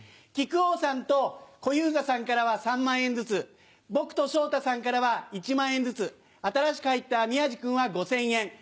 木久扇さんと小遊三さんからは３万円ずつ、僕と昇太さんからは１万円ずつ、新しく入った宮治君は５０００円。